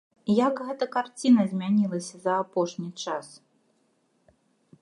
Як гэта карціна змянілася за апошні час?